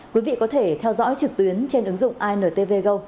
quý vị có thể theo dõi trực tuyến trên ứng dụng intv go